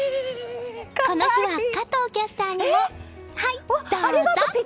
この日は加藤キャスターにもはい、どうぞ！